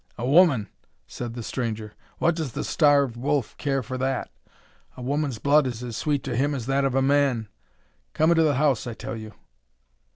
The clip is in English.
"A woman!" said the stranger. "What does the starved wolf care for that? A woman's blood is as sweet to him as that of a man. Come into the house, I tell you."